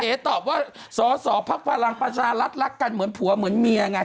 เอ๊ตอบว่าส่อพลังประชารัฐรักกันเหมือนผัวเหมือนเมียไง